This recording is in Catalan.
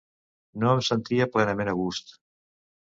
No em sentia plenament a gust.